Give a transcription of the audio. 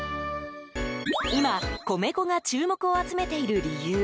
今、米粉が注目を集めている理由